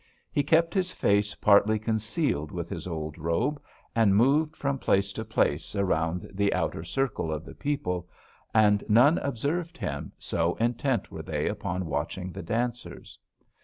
He kept his face partly concealed with his old robe, and moved from place to place around the outer circle of the people, and none observed him, so intent were they upon watching the dancers.